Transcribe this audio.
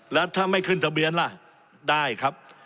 แล้วถ้าไม่ขึ้นทะเบียนล่ะได้ครับ